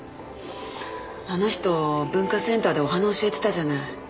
あの人文化センターでお花教えてたじゃない。